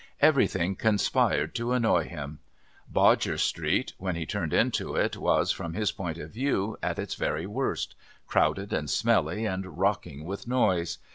Everything conspired to annoy him! Bodger's Street, when he turned into it, was, from his point of view, at its very worst, crowded and smelly and rocking with noise.